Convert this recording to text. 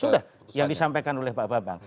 sudah yang disampaikan oleh pak babang